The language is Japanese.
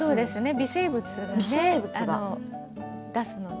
微生物が出すので。